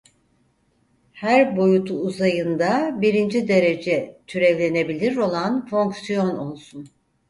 Her boyutu uzayında birinci-derece türevlenebilir olan fonksiyon olsun.